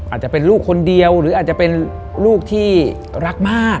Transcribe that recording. อาจจะเป็นลูกคนเดียวหรืออาจจะเป็นลูกที่รักมาก